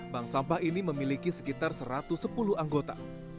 bank sampah ini memiliki sekitar satu ratus sepuluh anggota